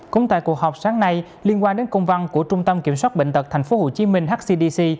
cũng tại cuộc họp sáng nay liên quan đến công văn của trung tâm kiểm soát bệnh tật tp hcm hcdc